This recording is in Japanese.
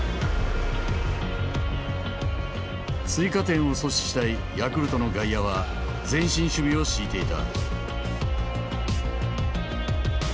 追加点を阻止したいヤクルトの外野は前進守備を敷いていた。